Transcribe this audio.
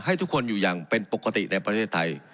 ให้ทุกคนอยู่อย่างเป็นปกติในประเทศไทย